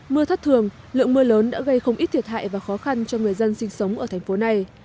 mưa thất thường lượng mưa lớn đã gây không ít thiệt hại và khó khăn cho người dân sinh sống ở thành phố này